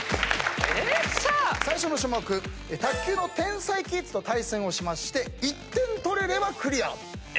最初の種目卓球の天才キッズと対戦をしまして１点取れればクリアと。